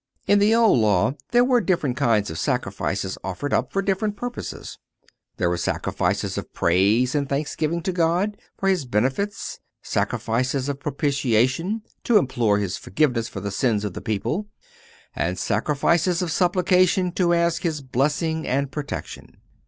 In the Old Law there were different kinds of sacrifices offered up for different purposes. There were sacrifices of praise and thanksgiving to God for His benefits, sacrifices of propitiation to implore His forgiveness for the sins of the people, and sacrifices of supplication to ask His blessing and protection.